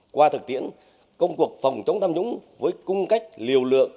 qua thực tiễn công cuộc phòng chống tham nhũng với cung cách liều lượng